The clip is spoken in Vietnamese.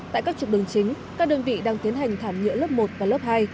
tại các trục đường chính các đơn vị đang tiến hành thảm nhựa lớp một và lớp hai